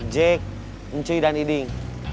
jek ncuy dan iding